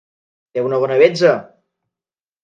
Té una bona betza!